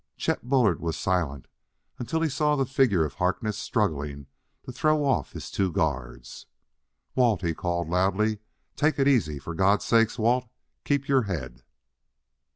Chet Bullard was silent until he saw the figure of Harkness struggling to throw off his two guards. "Walt," he called loudly, "take it easy! For God's sake, Walt, keep your head!"